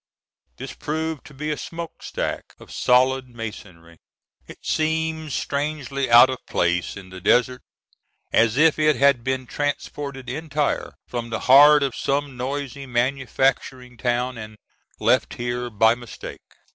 This proved to be a smokestack of solid masonry. It seemed strangely out of place in the desert, as if it had been transported entire from the heart of some noisy manufacturing town and left here by mistake.